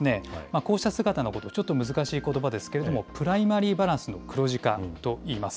こうした姿のことを、ちょっと難しいことばですけれども、プライマリーバランスの黒字化と言います。